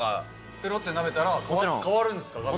ペロって舐めたら変わるんですか。